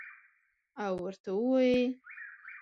او ورته ووایي: